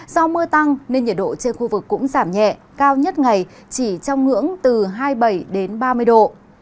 do mưa tăng nên nhiệt độ trên khu vực cũng giảm nhẹ cao nhất ngày chỉ trong ngưỡng từ hai mươi bảy đến ba mươi độ